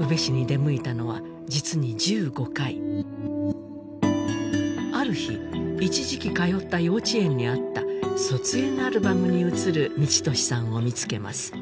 宇部市に出向いたのは実に１５回ある日一時期通った幼稚園にあった卒園アルバムに写る道登志さんを見つけます